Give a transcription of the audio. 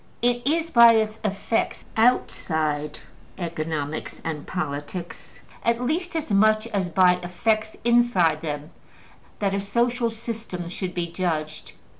'' It is by its effects outside economics and politics, at least as much as by effects inside them, that a social system should be judged.